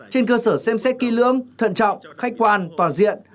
trên cơ sở xem xét kỹ lưỡng thận trọng khách quan toàn diện